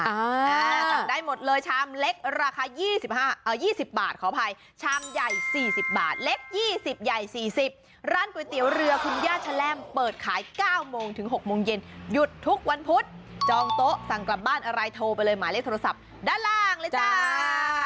อ่าสั่งได้หมดเลยชามเล็กราคา๒๐บาทขออภัยชามใหญ่๔๐บาทเล็ก๒๐ใหญ่๔๐ร้านก๋วยเตี๋ยวเรือคุณย่าแชล่มเปิดขาย๙โมงถึง๖โมงเย็นหยุดทุกวันพุธจองโต๊ะสั่งกลับบ้านอะไรโทรไปเลยหมายเลขโทรศัพท์ด้านล่างเลยจ้า